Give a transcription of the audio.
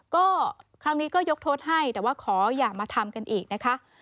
ก็ครั้งนี้ก็ยกโทษให้แต่ว่าขออย่ามาทำกันอีกนะคะ